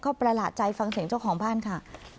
ก็ประหลาดใจฟังเสียงเจ้าของบ้านค่ะ